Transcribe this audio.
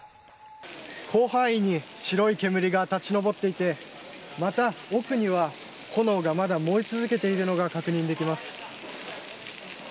広範囲に白い煙が立ち上っていてまた、奥には炎がまだ燃え続けているのが確認できます。